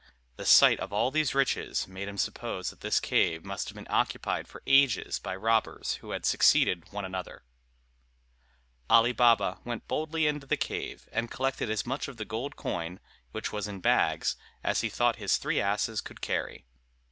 The sight of all these riches made him suppose that this cave must have been occupied for ages by robbers, who had succeeded one another. Ali Baba went boldly into the cave, and collected as much of the gold coin, which was in bags, as he thought his three asses could carry.